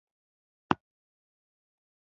خپل ټول پام یې تجارت ته واړاوه.